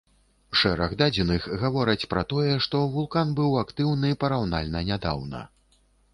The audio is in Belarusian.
Шэраг дадзеных гавораць пра тое, што вулкан быў актыўны параўнальна нядаўна.